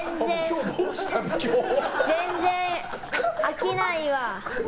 全然、あきないわ。